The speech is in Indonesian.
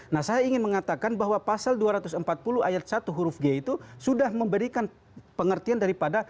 nah saya ingin mengatakan bahwa pasal dua ratus empat puluh ayat satu huruf g itu sudah memberikan pengertian daripada